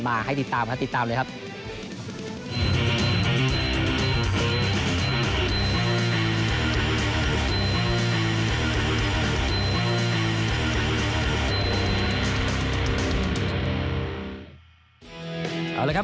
เอาเลยครับ